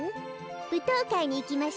ぶとうかいにいきましょう。